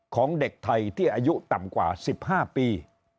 ของเด็กไทยที่อายุต่ำกว่า๑๕ปี